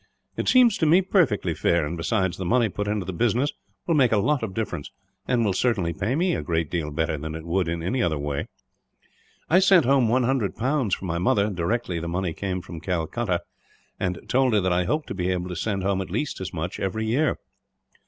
"It seems to me perfectly fair; and besides, the money put into the business will make a lot of difference, and will certainly pay me a great deal better than it would in any other way. I sent home 100 pounds for my mother, directly the money came from Calcutta; and told her that I hoped to be able to send home at least as much, every year."